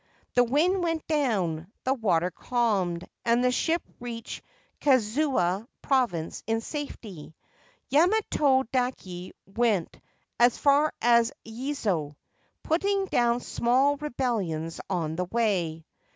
The wind went down, the water calmed, and the ship reached Kazusa Province in safety. Yamato dake went as far as Yezo, putting down small rebellions on the way.